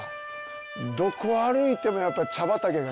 どこ歩いてもやっぱり茶畑が。